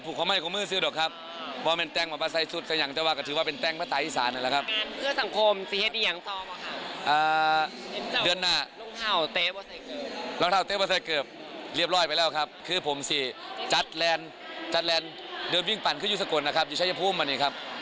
คือผมสิจัดแลนด์โดยวิ่งปั่นคือยุศกลอยู่ชายภูมิมานี่ครับ